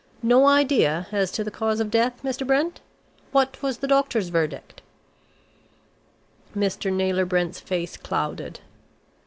"No idea as to the cause of death, Mr. Brent? What was the doctor's verdict?" Mr. Naylor Brent's face clouded.